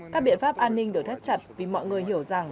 các biện pháp an ninh được thắt chặt vì mọi người hiểu rằng